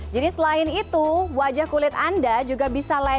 jadi selain itu wajah kulit anda juga bisa letih